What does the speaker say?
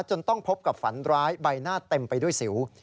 ต้องพบกับฝันร้ายใบหน้าเต็มไปด้วยสิว